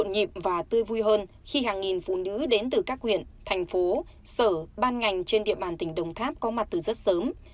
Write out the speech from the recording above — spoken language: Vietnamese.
sự kiện càng thêm nhịp và tươi vui hơn khi hàng nghìn phụ nữ đến từ các huyện thành phố sở ban ngành trên địa bàn tỉnh đồng tháp có mặt từ rất sớm